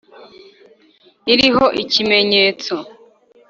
iriho ikimenyetso.